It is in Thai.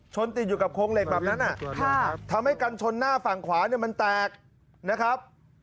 ติดอยู่กับโครงเหล็กแบบนั้นทำให้กันชนหน้าฝั่งขวาเนี่ยมันแตกนะครับ